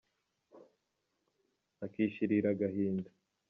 Akishirira agahinda.